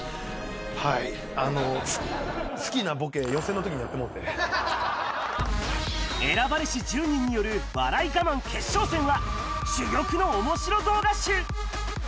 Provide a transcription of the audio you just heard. はい、好きなボケ、選ばれし１０人による、笑いガマン決勝戦は、珠玉のおもしろ動画集。